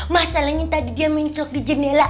masa lagi tadi dia mencolok di jendela